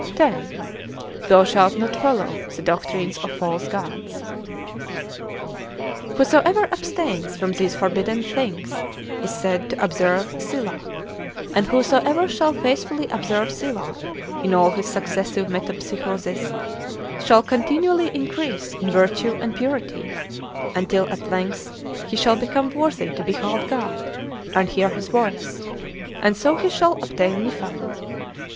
X. Thou shalt not follow the doctrines of false gods. Whosoever abstains from these forbidden things is said to "observe Silah"; and whosoever shall faithfully observe Silah, in all his successive metempsychoses, shall continually increase in virtue and purity, until at length he shall become worthy to behold God, and hear his voice; and so he shall obtain Niphan.